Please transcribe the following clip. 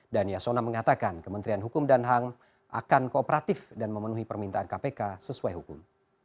dan yasona mengatakan kementerian hukum dan ham akan kooperatif dan memenuhi permintaan kpk sesuai hukum